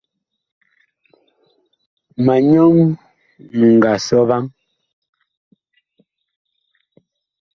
Ma nyɔŋ mi nga sɔ vaŋ.